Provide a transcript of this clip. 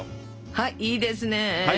はいいいですね。